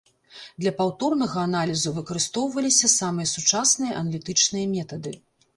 Для паўторнага аналізу выкарыстоўваліся самыя сучасныя аналітычныя метады.